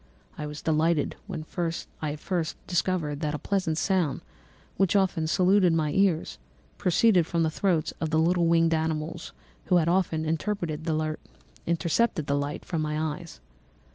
I was delighted when I first discovered that a pleasant sound, which often saluted my ears, proceeded from the throats of the little winged animals who had often intercepted the light from my eyes.